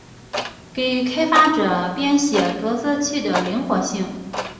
给开发者编写着色器的灵活性。